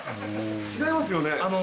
違いますよね。